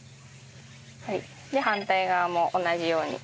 反対側も同じように。